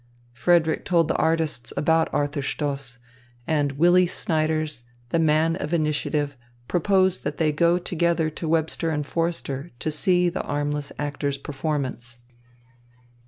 Frederick told the artists about Arthur Stoss; and Willy Snyders, the man of initiative, proposed that they go together to Webster and Forster to see the armless actor's performance.